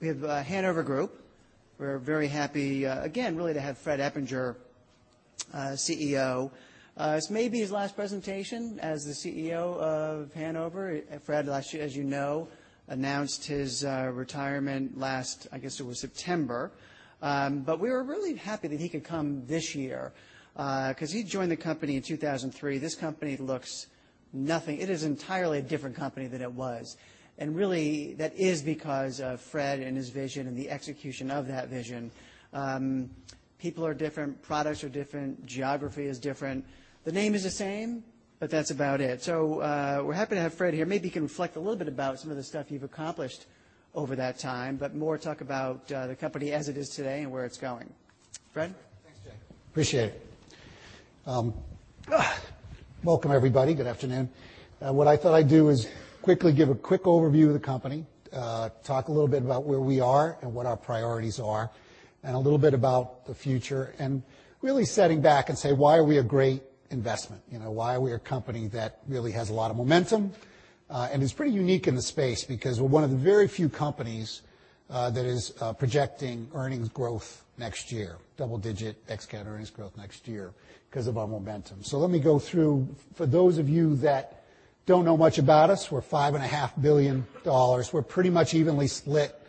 We have Hanover Group. We're very happy again, really to have Fred Eppinger, CEO. This may be his last presentation as the CEO of Hanover. Fred, as you know, announced his retirement last September. We were really happy that he could come this year, because he joined the company in 2003. This company looks nothing. It is an entirely different company than it was. Really, that is because of Fred and his vision and the execution of that vision. People are different, products are different, geography is different. The name is the same, but that's about it. We're happy to have Fred here. Maybe you can reflect a little bit about some of the stuff you've accomplished over that time, but more talk about the company as it is today and where it's going. Fred? Thanks, Jay. Appreciate it. Welcome, everybody. Good afternoon. What I thought I'd do is quickly give a quick overview of the company, talk a little bit about where we are and what our priorities are, and a little bit about the future and really sitting back and say, why are we a great investment? Why are we a company that really has a lot of momentum? It's pretty unique in the space, because we're one of the very few companies that is projecting earnings growth next year, double-digit ex-cat earnings growth next year because of our momentum. Let me go through, for those of you that don't know much about us, we're five and a half billion dollars. We're pretty much evenly split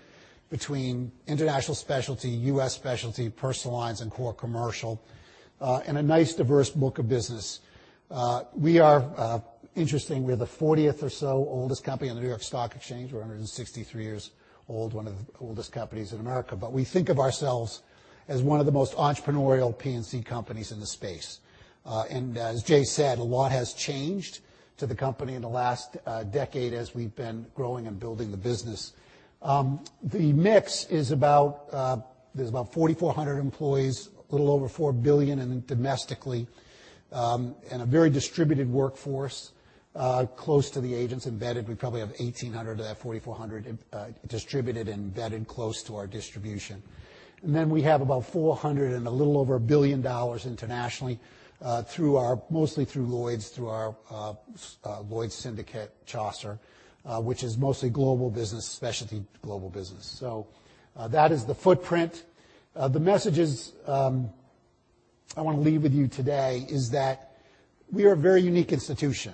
between international specialty, US specialty, Personal Lines, and Core Commercial, and a nice diverse book of business. Interesting, we're the 40th or so oldest company on the New York Stock Exchange. We're 163 years old, one of the oldest companies in America. We think of ourselves as one of the most entrepreneurial P&C companies in the space. As Jay said, a lot has changed to the company in the last decade as we've been growing and building the business. The mix, there's about 4,400 employees, a little over $4 billion domestically, and a very distributed workforce, close to the agents embedded. We probably have 1,800 of that 4,400 distributed embedded close to our distribution. We have about 400 and a little over $1 billion internationally, mostly through Lloyd's, through our Lloyd's syndicate, Chaucer, which is mostly global business, specialty global business. That is the footprint. The messages I want to leave with you today is that we are a very unique institution.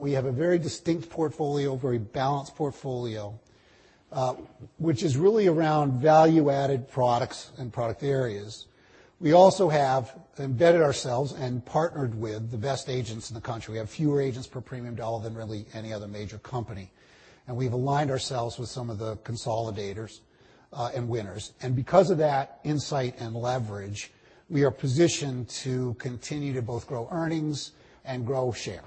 We have a very distinct portfolio, very balanced portfolio, which is really around value-added products and product areas. We also have embedded ourselves and partnered with the best agents in the country. We have fewer agents per premium dollar than really any other major company. We've aligned ourselves with some of the consolidators and winners. Because of that insight and leverage, we are positioned to continue to both grow earnings and grow share.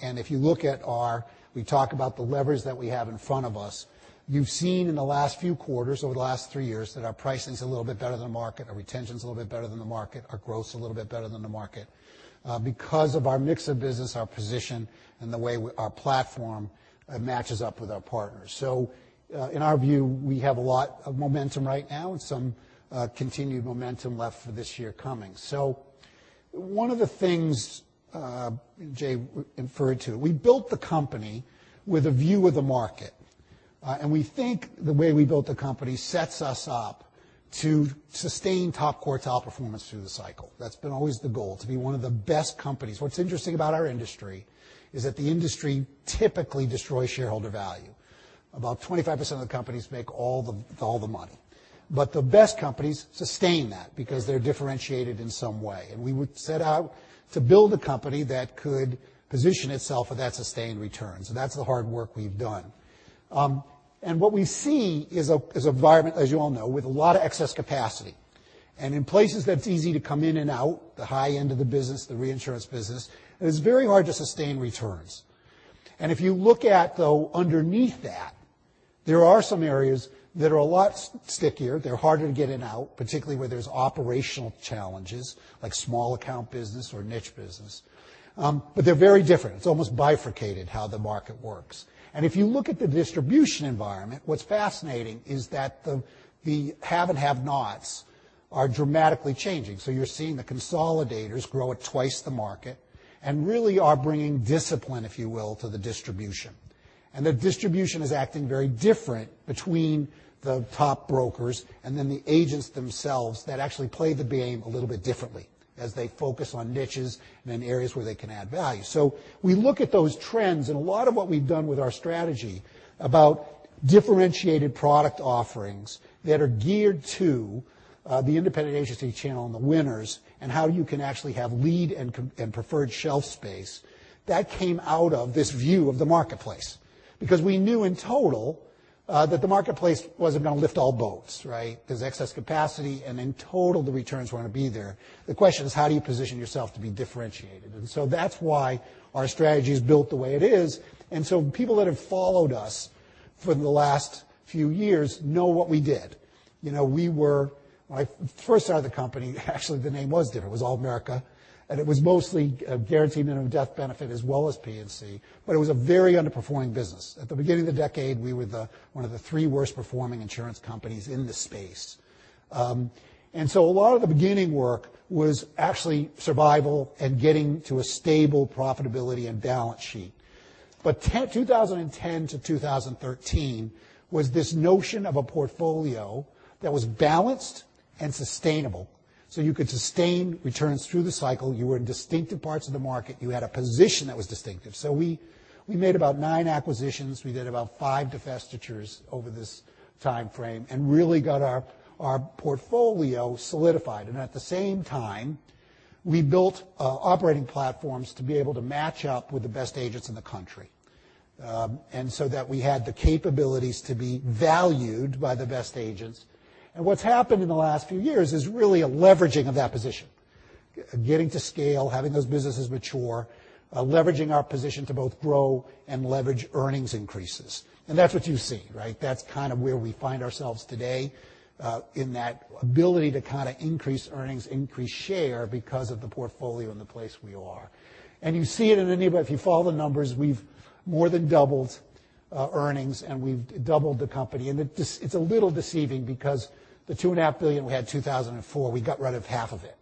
If you look at our. We talk about the leverage that we have in front of us. You've seen in the last few quarters over the last three years that our pricing's a little bit better than the market, our retention's a little bit better than the market, our growth's a little bit better than the market, because of our mix of business, our position, and the way our platform matches up with our partners. In our view, we have a lot of momentum right now and some continued momentum left for this year coming. One of the things Jay referred to, we built the company with a view of the market. We think the way we built the company sets us up to sustain top quartile performance through the cycle. That's been always the goal, to be one of the best companies. What's interesting about our industry is that the industry typically destroys shareholder value. About 25% of the companies make all the money. The best companies sustain that because they're differentiated in some way. We would set out to build a company that could position itself for that sustained return. That's the hard work we've done. What we see is an environment, as you all know, with a lot of excess capacity. In places that it's easy to come in and out, the high end of the business, the reinsurance business, it is very hard to sustain returns. If you look at, though, underneath that, there are some areas that are a lot stickier. They're harder to get in and out, particularly where there's operational challenges, like small account business or niche business. They're very different. It's almost bifurcated how the market works. If you look at the distribution environment, what's fascinating is that the have and have-nots are dramatically changing. You're seeing the consolidators grow at 2 times the market, and really are bringing discipline, if you will, to the distribution. The distribution is acting very different between the top brokers and then the agents themselves that actually play the game a little bit differently as they focus on niches and areas where they can add value. We look at those trends, and a lot of what we've done with our strategy about differentiated product offerings that are geared to the independent agency channel and the winners and how you can actually have lead and preferred shelf space, that came out of this view of the marketplace. Because we knew in total that the marketplace wasn't going to lift all boats, right? There's excess capacity, and in total, the returns weren't going to be there. The question is, how do you position yourself to be differentiated? That's why our strategy is built the way it is. People that have followed us for the last few years know what we did. When I first started the company, actually, the name was different. It was Allmerica, and it was mostly guaranteed minimum death benefit as well as P&C, but it was a very underperforming business. At the beginning of the decade, we were one of the three worst-performing insurance companies in the space. A lot of the beginning work was actually survival and getting to a stable profitability and balance sheet. 2010-2013 was this notion of a portfolio that was balanced and sustainable. You could sustain returns through the cycle. You were in distinctive parts of the market. You had a position that was distinctive. We made about nine acquisitions. We did about five divestitures over this time frame and really got our portfolio solidified. At the same time, we built operating platforms to be able to match up with the best agents in the country. So that we had the capabilities to be valued by the best agents. What's happened in the last few years is really a leveraging of that position, getting to scale, having those businesses mature, leveraging our position to both grow and leverage earnings increases. That's what you see, right? That's kind of where we find ourselves today, in that ability to kind of increase earnings, increase share because of the portfolio and the place we are. You see it in any way. If you follow the numbers, we've more than doubled earnings, and we've doubled the company. It's a little deceiving because the two and a half billion we had in 2004, we got rid of half of it.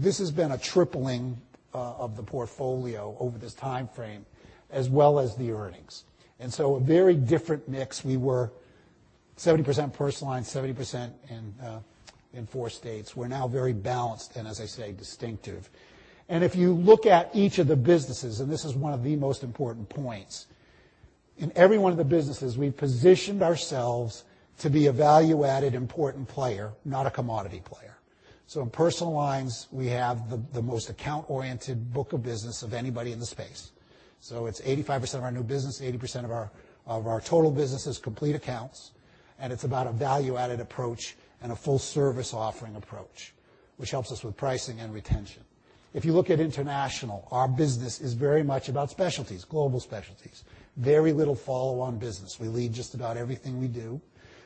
This has been a tripling of the portfolio over this time frame as well as the earnings. A very different mix. We were 70% Personal Lines, 70% in four states. We're now very balanced and, as I say, distinctive. If you look at each of the businesses, and this is one of the most important points, in every one of the businesses, we've positioned ourselves to be a value-added important player, not a commodity player. In Personal Lines, we have the most account-oriented book of business of anybody in the space. It's 85% of our new business, 80% of our total business is complete accounts, and it's about a value-added approach and a full-service offering approach, which helps us with pricing and retention. If you look at International, our business is very much about specialties, global specialties, very little follow-on business. We lead just about everything we do.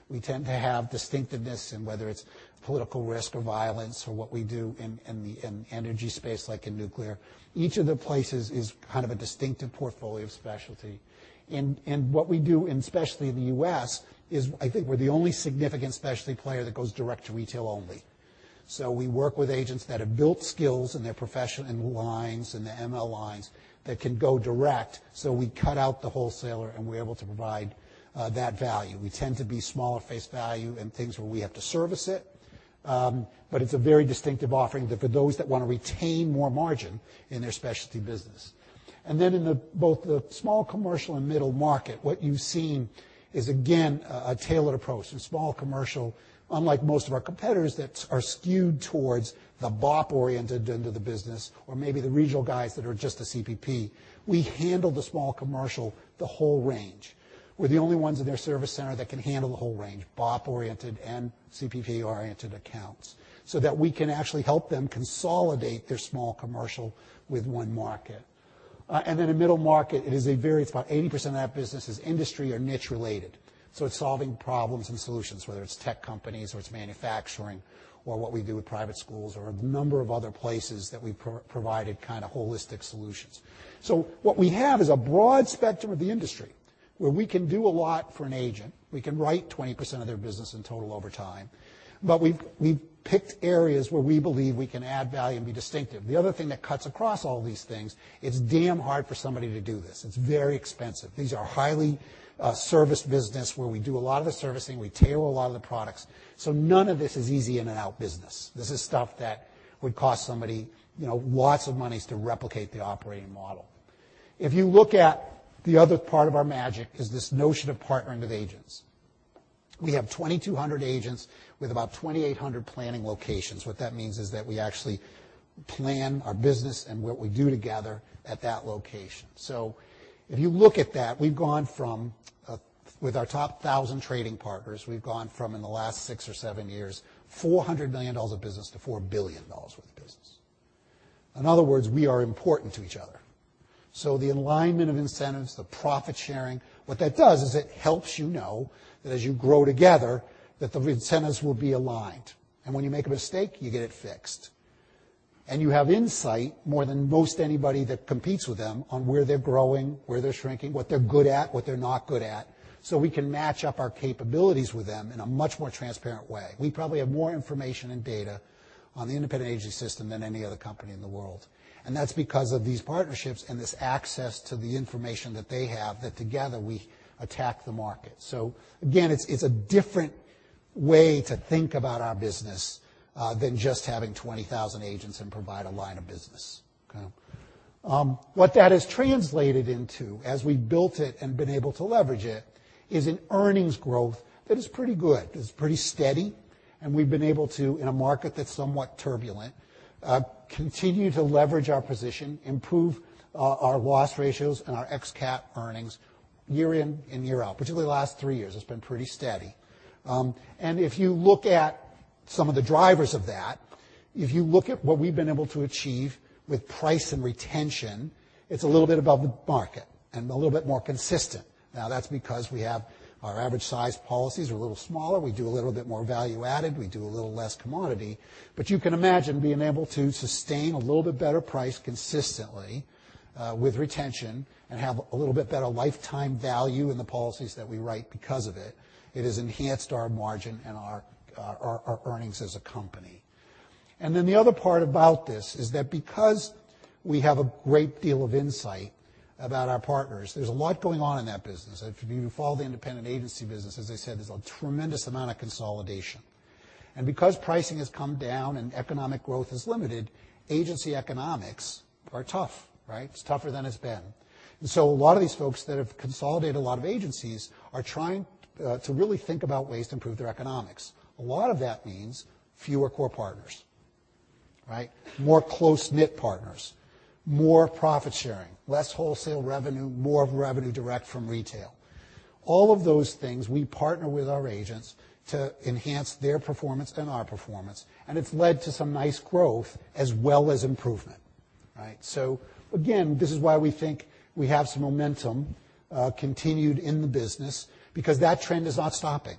We tend to have distinctiveness in whether it's political risk or violence or what we do in the energy space, like in nuclear. Each of the places is kind of a distinctive portfolio specialty. What we do, and especially in the U.S., is I think we're the only significant specialty player that goes direct to retail only. We work with agents that have built skills in their profession and lines and the ML lines that can go direct. We cut out the wholesaler, and we're able to provide that value. We tend to be smaller face value in things where we have to service it, but it's a very distinctive offering that for those that want to retain more margin in their specialty business. Then in both the Small Commercial and Middle Market, what you've seen is again, a tailored approach. In Small Commercial, unlike most of our competitors that are skewed towards the BOP oriented end of the business or maybe the regional guys that are just a CPP, we handle the Small Commercial, the whole range. We're the only ones in their service center that can handle the whole range, BOP oriented and CPP oriented accounts, so that we can actually help them consolidate their Small Commercial with one market. In middle market, it is about 80% of that business is industry or niche related, so it's solving problems and solutions, whether it's tech companies or it's manufacturing or what we do with private schools or a number of other places that we provided kind of holistic solutions. What we have is a broad spectrum of the industry where we can do a lot for an agent. We can write 20% of their business in total over time. We've picked areas where we believe we can add value and be distinctive. The other thing that cuts across all these things, it's damn hard for somebody to do this. It's very expensive. These are highly serviced businesses where we do a lot of the servicing. We tailor a lot of the products. None of this is easy in and out business. This is stuff that would cost somebody lots of money to replicate the operating model. If you look at the other part of our magic is this notion of partnering with agents. We have 2,200 agents with about 2,800 planning locations. What that means is that we actually plan our business and what we do together at that location. If you look at that, we've gone from, with our top 1,000 trading partners, we've gone from, in the last six or seven years, $400 million of business to $4 billion worth of business. In other words, we are important to each other. The alignment of incentives, the profit sharing, what that does is it helps you know that as you grow together, that the incentives will be aligned. When you make a mistake, you get it fixed. You have insight more than most anybody that competes with them on where they're growing, where they're shrinking, what they're good at, what they're not good at, so we can match up our capabilities with them in a much more transparent way. We probably have more information and data on the independent agent system than any other company in the world. That's because of these partnerships and this access to the information that they have, that together we attack the market. Again, it's a different way to think about our business than just having 20,000 agents and provide a line of business. What that has translated into as we built it and been able to leverage it, is an earnings growth that is pretty good. It's pretty steady, and we've been able to, in a market that's somewhat turbulent, continue to leverage our position, improve our loss ratios and our ex-cat earnings year in and year out. Particularly the last three years, it's been pretty steady. If you look at some of the drivers of that, if you look at what we've been able to achieve with price and retention, it's a little bit above the market and a little bit more consistent. That's because we have our average size policies are a little smaller. We do a little bit more value added. We do a little less commodity. You can imagine being able to sustain a little bit better price consistently with retention and have a little bit better lifetime value in the policies that we write because of it. It has enhanced our margin and our earnings as a company. The other part about this is that because we have a great deal of insight about our partners. There's a lot going on in that business. If you follow the independent agency business, as I said, there's a tremendous amount of consolidation. Because pricing has come down and economic growth is limited, agency economics are tough. It's tougher than it's been. A lot of these folks that have consolidated a lot of agencies are trying to really think about ways to improve their economics. A lot of that means fewer core partners. More close-knit partners, more profit sharing, less wholesale revenue, more revenue direct from retail. All of those things, we partner with our agents to enhance their performance and our performance, and it's led to some nice growth as well as improvement. Again, this is why we think we have some momentum continued in the business because that trend is not stopping.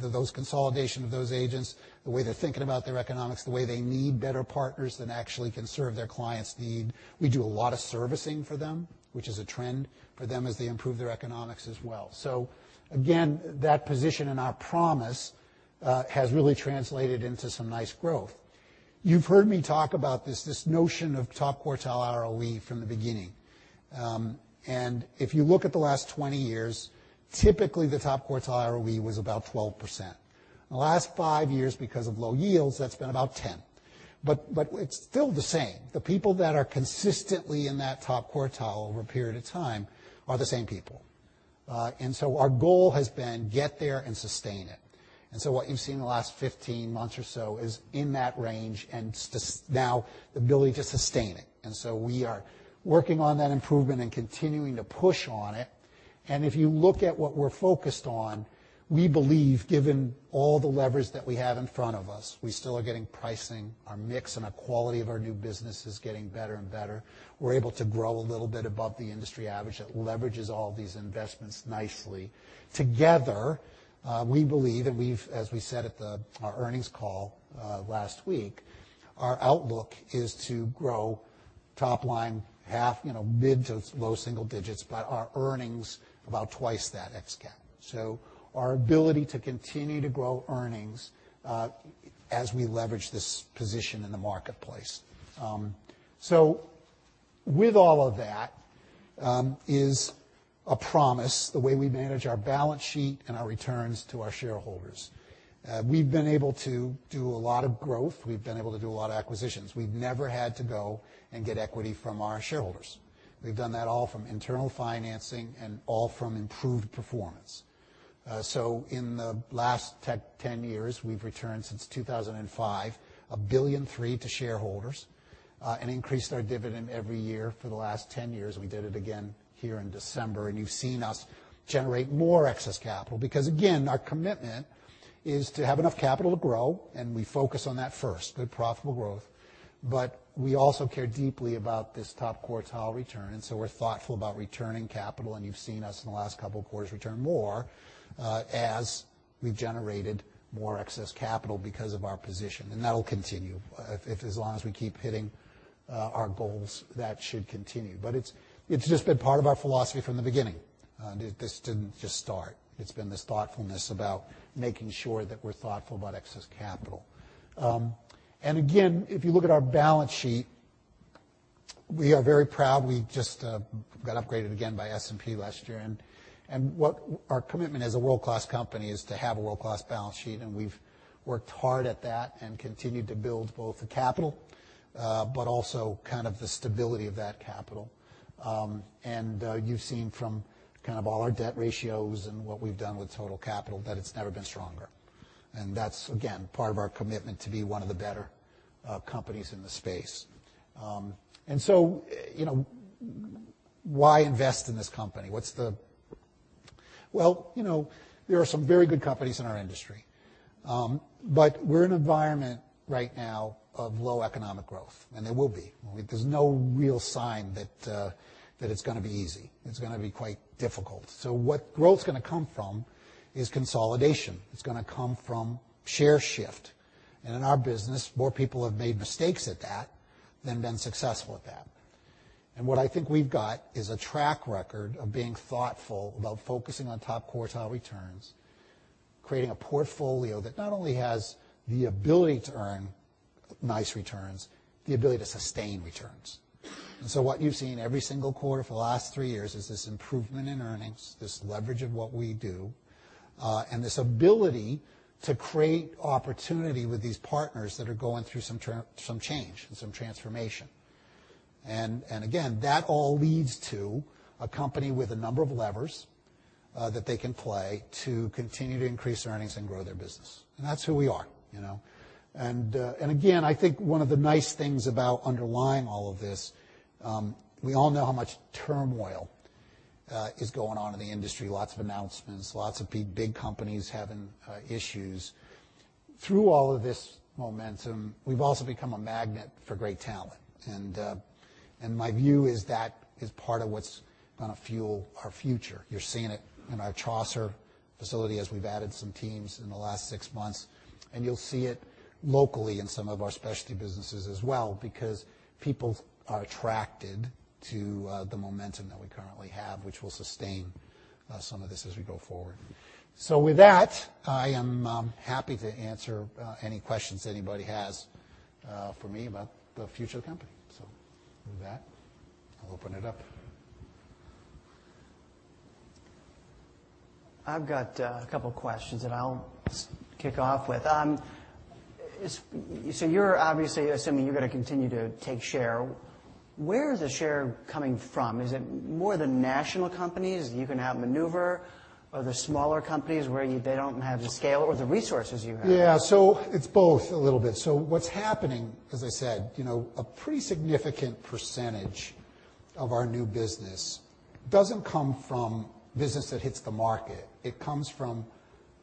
Those consolidation of those agents, the way they're thinking about their economics, the way they need better partners that actually can serve their clients' need. We do a lot of servicing for them, which is a trend for them as they improve their economics as well. Again, that position and our promise has really translated into some nice growth. You've heard me talk about this notion of top quartile ROE from the beginning. If you look at the last 20 years, typically the top quartile ROE was about 12%. The last five years, because of low yields, that's been about 10%. It's still the same. The people that are consistently in that top quartile over a period of time are the same people. Our goal has been get there and sustain it. What you've seen in the last 15 months or so is in that range, and now the ability to sustain it. We are working on that improvement and continuing to push on it. If you look at what we're focused on, we believe given all the levers that we have in front of us, we still are getting pricing. Our mix and the quality of our new business is getting better and better. We're able to grow a little bit above the industry average. That leverages all of these investments nicely. Together, we believe, and as we said at our earnings call last week, our outlook is to grow top line half, mid to low single digits, but our earnings about twice that, ex-cat. Our ability to continue to grow earnings, as we leverage this position in the marketplace. With all of that, is a promise, the way we manage our balance sheet and our returns to our shareholders. We've been able to do a lot of growth. We've been able to do a lot of acquisitions. We've never had to go and get equity from our shareholders. We've done that all from internal financing and all from improved performance. In the last 10 years, we've returned since 2005, $1.3 billion to shareholders, increased our dividend every year for the last 10 years. We did it again here in December, you've seen us generate more excess capital because, again, our commitment is to have enough capital to grow, and we focus on that first, good profitable growth. We also care deeply about this top quartile return. We're thoughtful about returning capital, and you've seen us in the last couple of quarters return more, as we've generated more excess capital because of our position. That'll continue. As long as we keep hitting our goals, that should continue. It's just been part of our philosophy from the beginning. This didn't just start. It's been this thoughtfulness about making sure that we're thoughtful about excess capital. If you look at our balance sheet, we are very proud. We just got upgraded again by S&P last year, and our commitment as a world-class company is to have a world-class balance sheet, and we've worked hard at that and continued to build both the capital, but also kind of the stability of that capital. You've seen from kind of all our debt ratios and what we've done with total capital, that it's never been stronger. That's, again, part of our commitment to be one of the better companies in the space. Why invest in this company? Well, there are some very good companies in our industry. We're in an environment right now of low economic growth, and there will be. There's no real sign that it's going to be easy. It's going to be quite difficult. What growth's going to come from is consolidation. It's going to come from share shift. In our business, more people have made mistakes at that than been successful at that. What I think we've got is a track record of being thoughtful about focusing on top quartile returns, creating a portfolio that not only has the ability to earn nice returns, the ability to sustain returns. What you've seen every single quarter for the last three years is this improvement in earnings, this leverage of what we do, and this ability to create opportunity with these partners that are going through some change and some transformation. That all leads to a company with a number of levers that they can play to continue to increase earnings and grow their business. That's who we are. I think one of the nice things about underlying all of this, we all know how much turmoil is going on in the industry. Lots of announcements. Lots of big companies having issues. Through all of this momentum, we've also become a magnet for great talent, and my view is that is part of what's going to fuel our future. You're seeing it in our Chaucer facility as we've added some teams in the last six months, and you'll see it locally in some of our specialty businesses as well because people are attracted to the momentum that we currently have, which will sustain Some of this as we go forward. With that, I am happy to answer any questions anybody has for me about the future of the company. With that, I'll open it up. I've got a couple questions that I'll kick off with. You're obviously assuming you're going to continue to take share. Where is the share coming from? Is it more the national companies you can outmaneuver, or the smaller companies where they don't have the scale or the resources you have? Yeah. It's both a little bit. What's happening, as I said, a pretty significant percentage of our new business doesn't come from business that hits the market. It comes from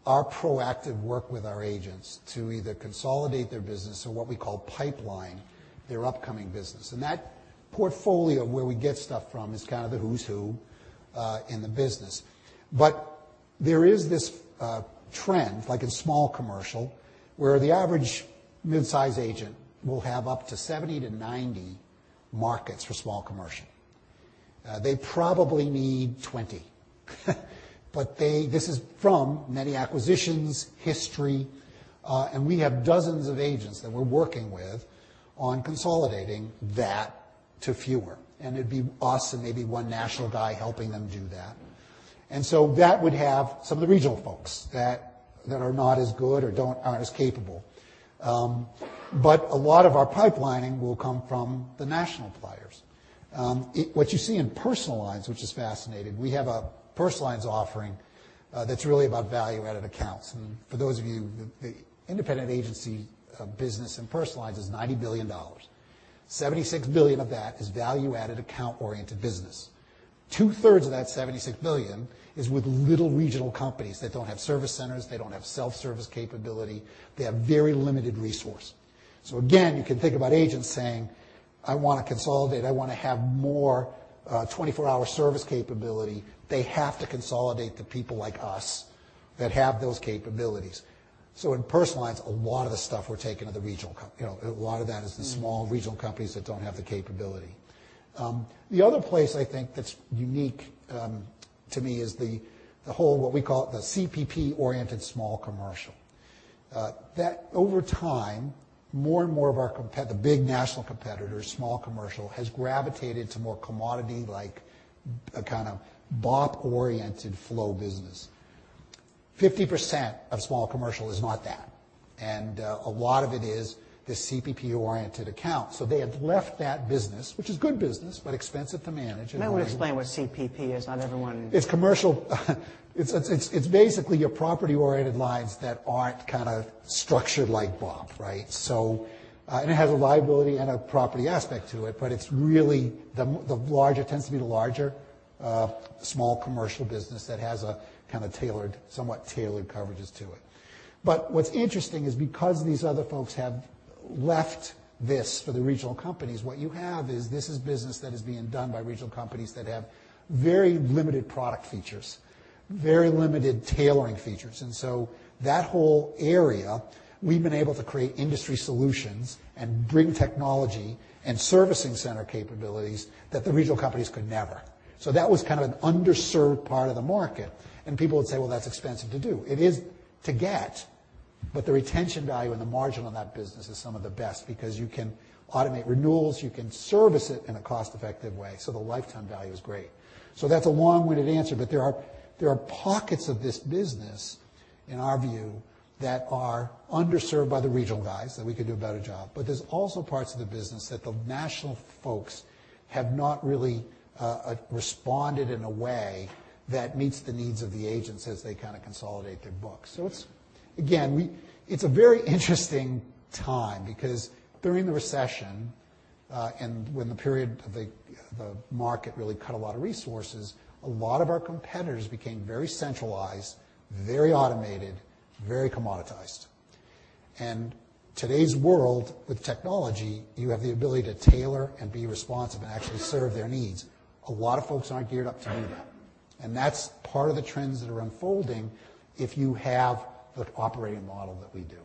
our proactive work with our agents to either consolidate their business or what we call pipeline their upcoming business. That portfolio where we get stuff from is kind of the who's who in the business. There is this trend, like in small commercial, where the average mid-size agent will have up to 70-90 markets for small commercial. They probably need 20. This is from many acquisitions, history, and we have dozens of agents that we're working with on consolidating that to fewer, and it'd be us and maybe one national guy helping them do that. That would have some of the regional folks that are not as good or aren't as capable. A lot of our pipelining will come from the national players. What you see in Personal Lines, which is fascinating, we have a Personal Lines offering that's really about value-added accounts. For those of you, the independent agency business in Personal Lines is $90 billion. $76 billion of that is value-added account-oriented business. Two-thirds of that $76 billion is with little regional companies that don't have service centers, they don't have self-service capability. They have very limited resource. Again, you can think about agents saying, "I want to consolidate. I want to have more 24-hour service capability." They have to consolidate to people like us that have those capabilities. In Personal Lines, a lot of the stuff we're taking are the small regional companies that don't have the capability. The other place I think that's unique to me is the whole what we call the CPP-oriented small commercial. Over time, more and more of the big national competitors, small commercial, has gravitated to more commodity-like, kind of BOP-oriented flow business. 50% of small commercial is not that, and a lot of it is the CPP-oriented account. They have left that business, which is good business, but expensive to manage. You might want to explain what CPP is. Not everyone- It's basically your property-oriented lines that aren't kind of structured like BOP, right? It has a liability and a property aspect to it, but it's really the larger tends to be the larger small commercial business that has a kind of tailored, somewhat tailored coverages to it. What's interesting is because these other folks have left this for the regional companies, what you have is this is business that is being done by regional companies that have very limited product features, very limited tailoring features. That whole area, we've been able to create industry solutions and bring technology and servicing center capabilities that the regional companies could never. That was kind of an underserved part of the market, and people would say, "Well, that's expensive to do." It is to get, but the retention value and the margin on that business is some of the best because you can automate renewals, you can service it in a cost-effective way, so the lifetime value is great. That's a long-winded answer, but there are pockets of this business, in our view, that are underserved by the regional guys, that we could do a better job. There's also parts of the business that the national folks have not really responded in a way that meets the needs of the agents as they kind of consolidate their books. It's, again, it's a very interesting time because during the recession, and when the period of the market really cut a lot of resources, a lot of our competitors became very centralized, very automated, very commoditized. Today's world with technology, you have the ability to tailor and be responsive and actually serve their needs. A lot of folks aren't geared up to do that, and that's part of the trends that are unfolding if you have the operating model that we do.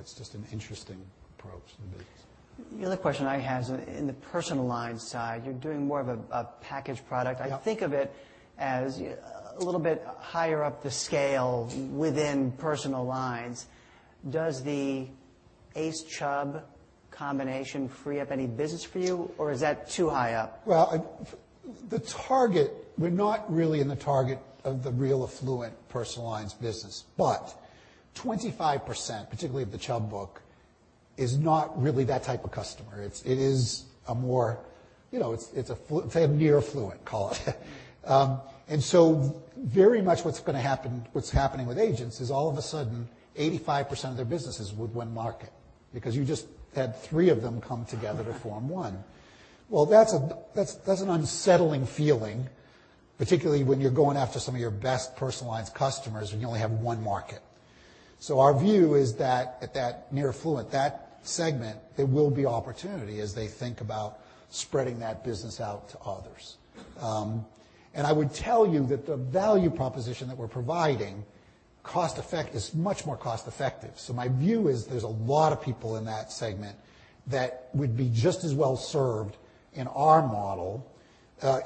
It's just an interesting approach in the business. The other question I had is in the Personal Lines side, you're doing more of a packaged product. Yeah. I think of it as a little bit higher up the scale within Personal Lines. Does the ACE Chubb combination free up any business for you, or is that too high up? We're not really in the target of the real affluent Personal Lines business, but 25%, particularly of the Chubb book, is not really that type of customer. It is a more, it's a near affluent call. Very much what's happening with agents is all of a sudden, 85% of their business is with one market because you just had three of them come together to form one. That's an unsettling feeling, particularly when you're going after some of your best Personal Lines customers when you only have one market. Our view is that at that near affluent, that segment, there will be opportunity as they think about spreading that business out to others. I would tell you that the value proposition that we're providing is much more cost-effective. My view is there's a lot of people in that segment that would be just as well served in our model.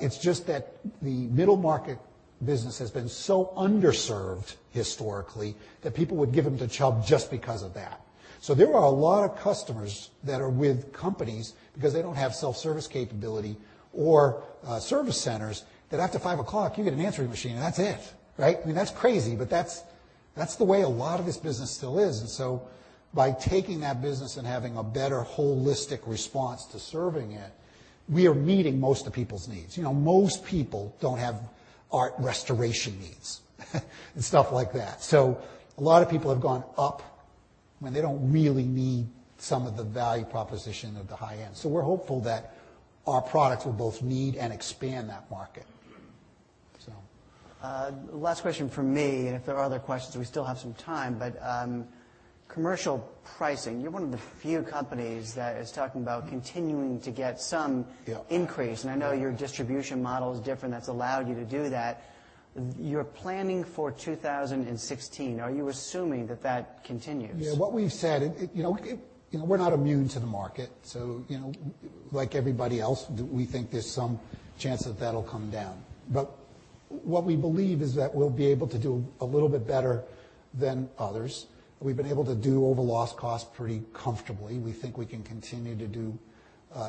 It's just that the middle market business has been so underserved historically that people would give them to Chubb just because of that. There are a lot of customers that are with companies because they don't have self-service capability or service centers that after 5:00 P.M., you get an answering machine and that's it. Right? That's crazy, but that's the way a lot of this business still is. By taking that business and having a better holistic response to serving it, we are meeting most of people's needs. Most people don't have art restoration needs and stuff like that. A lot of people have gone up when they don't really need some of the value proposition of the high end. We're hopeful that our products will both meet and expand that market. Last question from me, and if there are other questions, we still have some time, but commercial pricing. You're one of the few companies that is talking about continuing to get some increase. Yeah. I know your distribution model is different, that's allowed you to do that. You're planning for 2016. Are you assuming that that continues? Yeah. What we've said, we're not immune to the market. Like everybody else, we think there's some chance that that'll come down. What we believe is that we'll be able to do a little bit better than others. We've been able to do over loss cost pretty comfortably. We think we can continue to do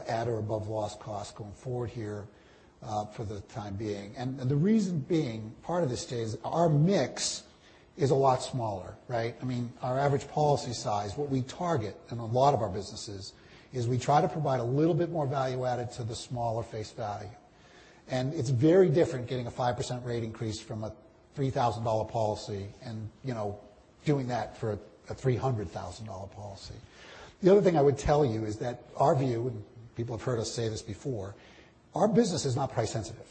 at or above loss cost going forward here for the time being. The reason being, part of this today is our mix is a lot smaller, right? Our average policy size, what we target in a lot of our businesses is we try to provide a little bit more value added to the smaller face value. It's very different getting a 5% rate increase from a $3,000 policy and doing that for a $300,000 policy. The other thing I would tell you is that our view, and people have heard us say this before, our business is not price sensitive.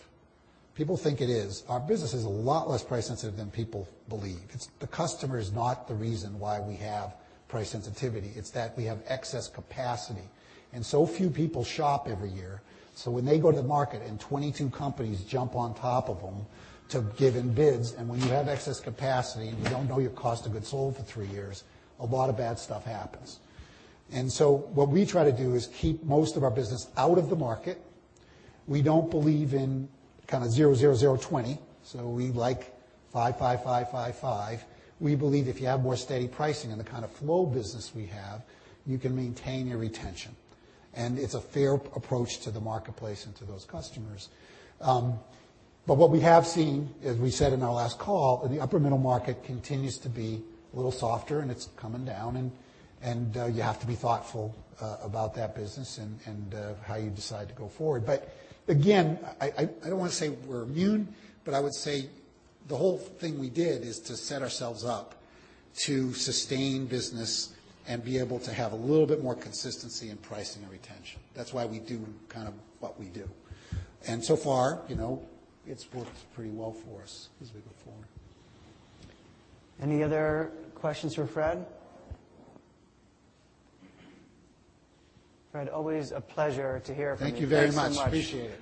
People think it is. Our business is a lot less price sensitive than people believe. The customer is not the reason why we have price sensitivity. It's that we have excess capacity and so few people shop every year. When they go to the market and 22 companies jump on top of them to give in bids, and when you have excess capacity and you don't know your cost of goods sold for three years, a lot of bad stuff happens. What we try to do is keep most of our business out of the market. We don't believe in kind of 0-0-0-2-0, so we like 5-5-5-5-5. We believe if you have more steady pricing in the kind of flow business we have, you can maintain your retention. It's a fair approach to the marketplace and to those customers. What we have seen, as we said in our last call, the upper middle market continues to be a little softer and it's coming down and you have to be thoughtful about that business and how you decide to go forward. Again, I don't want to say we're immune, but I would say the whole thing we did is to set ourselves up to sustain business and be able to have a little bit more consistency in pricing and retention. That's why we do what we do. So far, it's worked pretty well for us as we go forward. Any other questions for Fred? Fred, always a pleasure to hear from you. Thank you very much. Thanks so much. Appreciate it.